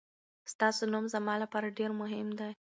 ستاسو نوم زما لپاره ډېر مهم دی.